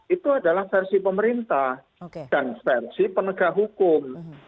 itu adalah versi pemerintah dan versi penegak hukum